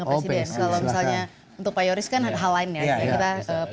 kalau misalnya untuk pak yoris kan hal lain ya